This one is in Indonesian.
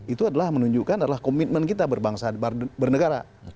itu adalah menunjukkan adalah komitmen kita bernegara